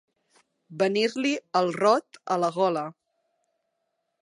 Venir-li el rot a la gola.